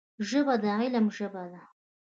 ژبه د علم ژبه ده